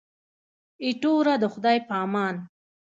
ایټوره د خدای په امان.